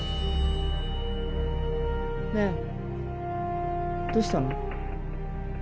ねえどうしたの？